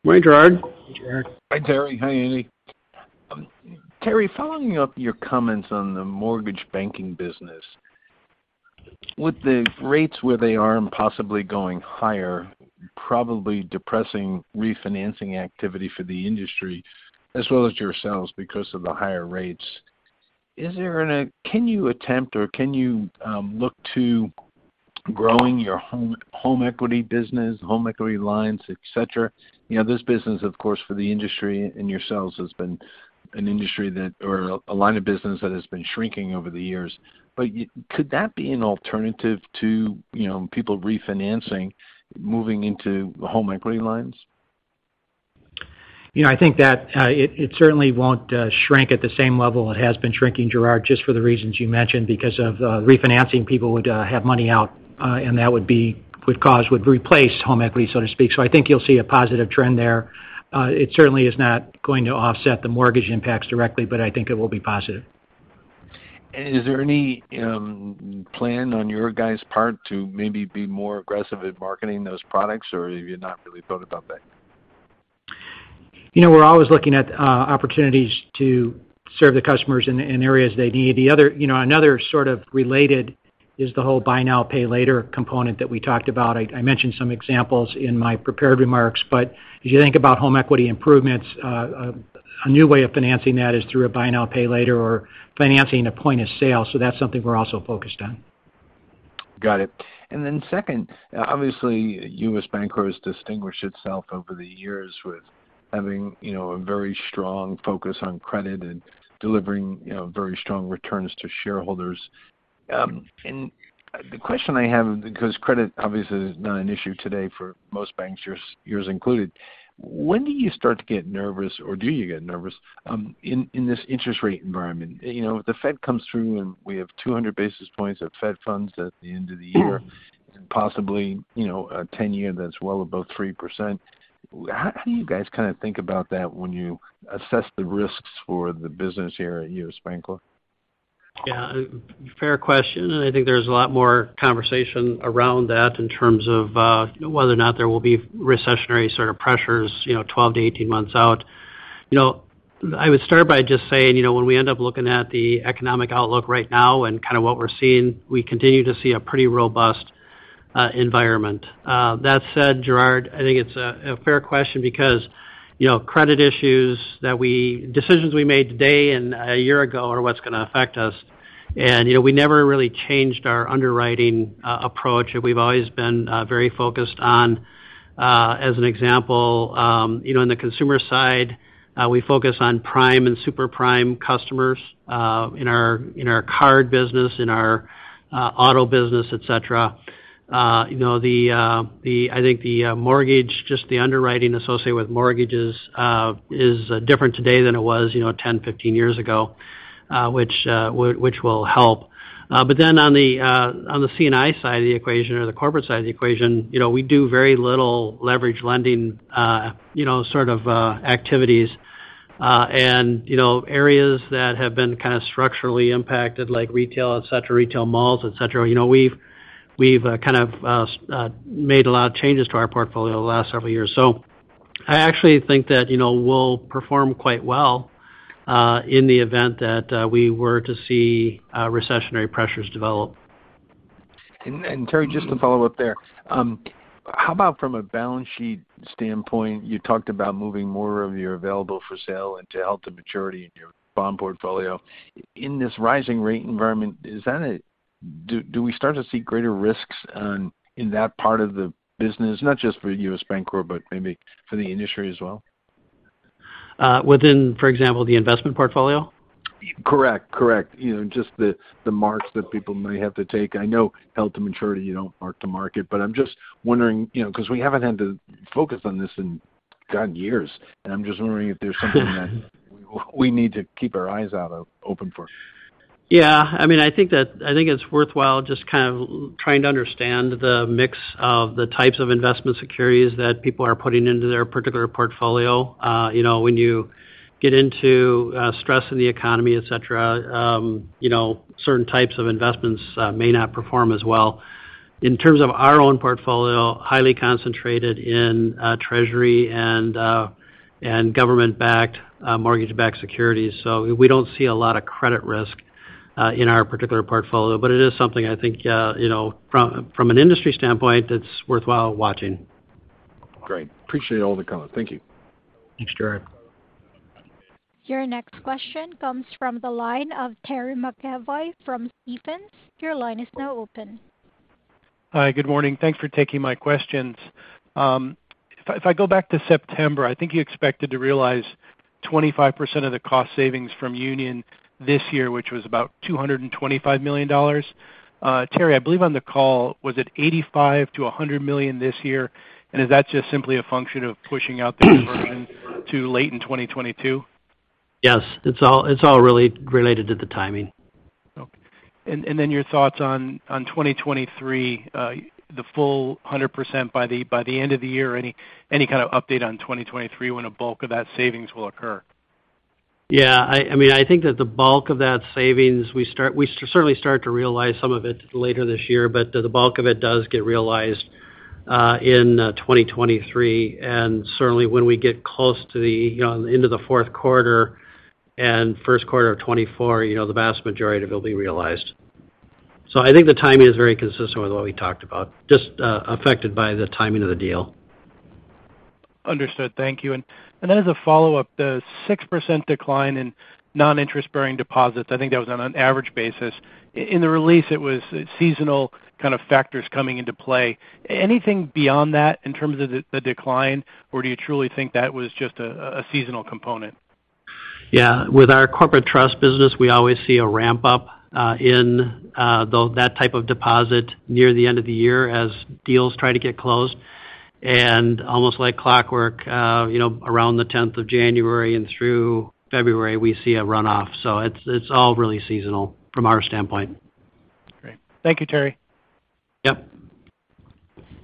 Hi, Gerard. Gerard. Hi, Terry. Hi, Andy. Terry, following up your comments on the mortgage banking business. With the rates where they are and possibly going higher, probably depressing refinancing activity for the industry as well as yourselves because of the higher rates. Can you attempt, or can you, look to growing your home equity business, home equity lines, et cetera? You know, this business, of course, for the industry and yourselves has been an industry that or a line of business that has been shrinking over the years. Could that be an alternative to, you know, people refinancing, moving into home equity lines? You know, I think that it certainly won't shrink at the same level it has been shrinking, Gerard, just for the reasons you mentioned because of refinancing people would have money out and that would replace home equity, so to speak. I think you'll see a positive trend there. It certainly is not going to offset the mortgage impacts directly, but I think it will be positive. Is there any plan on your guys' part to maybe be more aggressive in marketing those products, or have you not really thought about that? You know, we're always looking at opportunities to serve the customers in areas they need. Another sort of related is the whole buy now, pay later component that we talked about. I mentioned some examples in my prepared remarks, but if you think about home equity improvements, a new way of financing that is through a buy now, pay later or financing at point of sale. That's something we're also focused on. Got it. Second, obviously, U.S. Bancorp has distinguished itself over the years with having, you know, a very strong focus on credit and delivering, you know, very strong returns to shareholders. The question I have, because credit obviously is not an issue today for most banks, yours included, when do you start to get nervous, or do you get nervous in this interest rate environment? You know, the Fed comes through, and we have 200 basis points of Fed funds at the end of the year, and possibly, you know, a 10-year that's well above 3%. How do you guys kind of think about that when you assess the risks for the business here at U.S. Bancorp? Yeah. Fair question, and I think there's a lot more conversation around that in terms of whether or not there will be recessionary sort of pressures, you know, 12-18 months out. You know, I would start by just saying, you know, when we end up looking at the economic outlook right now and kind of what we're seeing, we continue to see a pretty robust environment. That said, Gerard, I think it's a fair question because, you know, decisions we made today and a year ago are what's gonna affect us. You know, we never really changed our underwriting approach. We've always been very focused on, as an example, you know, on the consumer side, we focus on prime and super prime customers in our card business, in our auto business, et cetera. You know, I think the mortgage, just the underwriting associated with mortgages, is different today than it was, you know, 10, 15 years ago, which will help. On the C&I side of the equation or the corporate side of the equation, you know, we do very little leverage lending, you know, sort of activities. You know, areas that have been kind of structurally impacted like retail, et cetera, retail malls, et cetera, you know, we've kind of made a lot of changes to our portfolio the last several years. I actually think that, you know, we'll perform quite well in the event that we were to see recessionary pressures develop. Terry, just to follow up there. How about from a balance sheet standpoint? You talked about moving more of your available for sale into held to maturity in your bond portfolio. In this rising rate environment, do we start to see greater risks in that part of the business? Not just for U.S. Bancorp, but maybe for the industry as well. within, for example, the investment portfolio? Correct. You know, just the marks that people may have to take. I know held to maturity, you don't mark to market. I'm just wondering, you know, because we haven't had to focus on this in, God, years. I'm just wondering if there's something that we need to keep our eyes open for. Yeah. I mean, I think it's worthwhile just kind of trying to understand the mix of the types of investment securities that people are putting into their particular portfolio. You know, when you get into stress in the economy, et cetera, you know, certain types of investments may not perform as well. In terms of our own portfolio, highly concentrated in Treasury and government-backed mortgage-backed securities. So we don't see a lot of credit risk in our particular portfolio. It is something I think, you know, from an industry standpoint, it's worthwhile watching. Great. Appreciate all the comment. Thank you. Thanks, Gerard. Your next question comes from the line of Terry McEvoy from Stephens. Your line is now open. Hi. Good morning. Thanks for taking my questions. If I go back to September, I think you expected to realize 25% of the cost savings from Union this year, which was about $225 million. Terry, I believe on the call, was it $85 million-$100 million this year? Is that just simply a function of pushing out the conversion to late in 2022? Yes. It's all related to the timing. Okay. Then your thoughts on 2023, the full 100% by the end of the year. Any kind of update on 2023 when a bulk of that savings will occur? Yeah. I mean, I think that the bulk of that savings, we certainly start to realize some of it later this year, but the bulk of it does get realized in 2023. Certainly when we get close to the, you know, into the fourth quarter and first quarter of 2024, you know, the vast majority of it will be realized. I think the timing is very consistent with what we talked about, just affected by the timing of the deal. Understood. Thank you. As a follow-up, the 6% decline in non-interest-bearing deposits, I think that was on an average basis. In the release, it was seasonal kind of factors coming into play. Anything beyond that in terms of the decline, or do you truly think that was just a seasonal component? Yeah. With our Corporate Trust business, we always see a ramp up in those types of deposits near the end of the year as deals try to get closed. Almost like clockwork, you know, around the tenth of January and through February, we see a runoff. It's all really seasonal from our standpoint. Great. Thank you, Terry. Yep.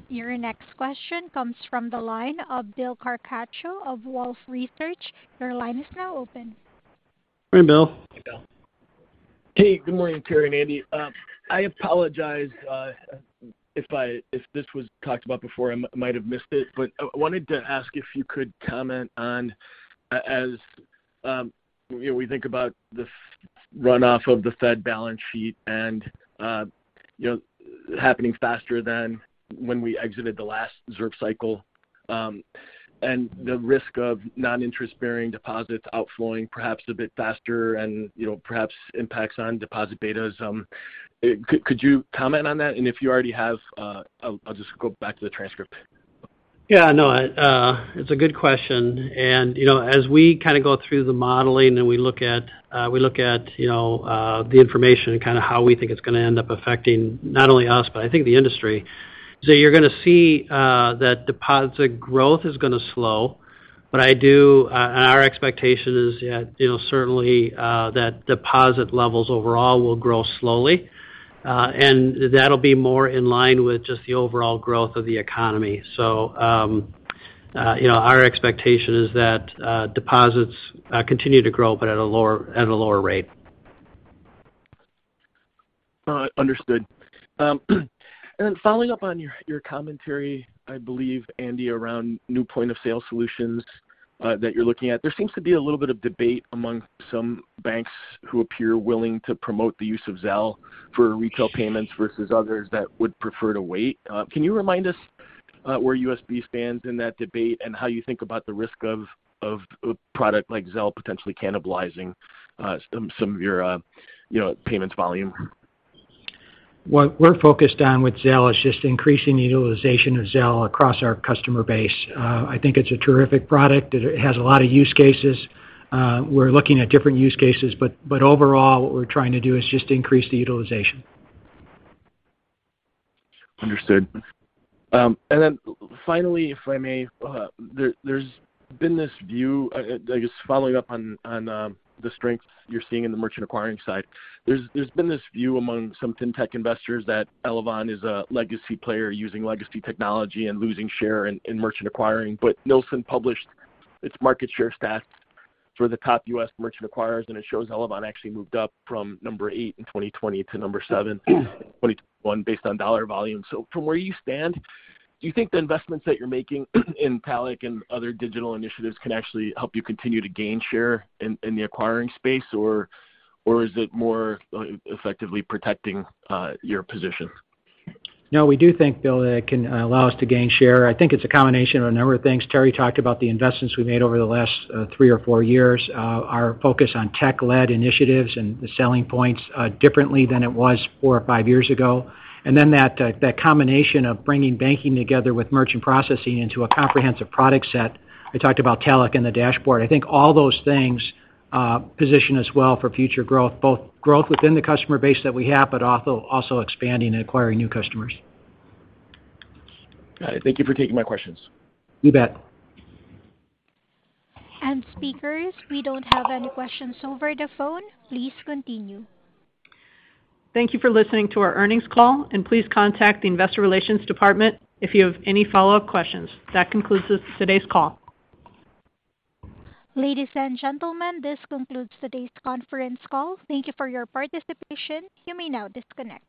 Your next question comes from the line of Bill Carcache of Wolfe Research. Your line is now open. Hey, Bill. Hey, Bill. Hey, good morning, Terry and Andy. I apologize if this was talked about before, I might have missed it, but I wanted to ask if you could comment on as, you know, we think about the runoff of the Fed balance sheet and, you know, happening faster than when we exited the last reserve cycle, and the risk of non-interest bearing deposits outflowing perhaps a bit faster and, you know, perhaps impacts on deposit betas. Could you comment on that? If you already have, I'll just go back to the transcript. Yeah, no. It's a good question. You know, as we kinda go through the modeling and we look at you know, the information and kinda how we think it's gonna end up affecting not only us, but I think the industry. You're gonna see that deposit growth is gonna slow, and our expectation is you know, certainly, that deposit levels overall will grow slowly. That'll be more in line with just the overall growth of the economy. You know, our expectation is that deposits continue to grow but at a lower rate. Understood. Following up on your commentary, I believe, Andy, around new point of sale solutions that you're looking at. There seems to be a little bit of debate among some banks who appear willing to promote the use of Zelle for retail payments versus others that would prefer to wait. Can you remind us where USB stands in that debate and how you think about the risk of a product like Zelle potentially cannibalizing some of your, you know, payments volume? What we're focused on with Zelle is just increasing the utilization of Zelle across our customer base. I think it's a terrific product. It has a lot of use cases. We're looking at different use cases, but overall, what we're trying to do is just increase the utilization. Understood. Finally, if I may, there's been this view just following up on the strength you're seeing in the merchant acquiring side. There's been this view among some fintech investors that Elavon is a legacy player using legacy technology and losing share in merchant acquiring. Nilson published its market share stats for the top U.S. merchant acquirers, and it shows Elavon actually moved up from number 8 in 2020 to number 7 in 2021 based on dollar volume. From where you stand, do you think the investments that you're making in Talech and other digital initiatives can actually help you continue to gain share in the acquiring space, or is it more effectively protecting your position? No, we do think, Bill, that it can allow us to gain share. I think it's a combination of a number of things. Terry talked about the investments we made over the last three or four years, our focus on tech-led initiatives and the selling points differently than it was four or five years ago. Then that combination of bringing banking together with merchant processing into a comprehensive product set. I talked about Talech and the dashboard. I think all those things position us well for future growth, both growth within the customer base that we have, but also expanding and acquiring new customers. Got it. Thank you for taking my questions. You bet. Speakers, we don't have any questions over the phone. Please continue. Thank you for listening to our earnings call, and please contact the investor relations department if you have any follow-up questions. That concludes today's call. Ladies and gentlemen, this concludes today's conference call. Thank you for your participation. You may now disconnect.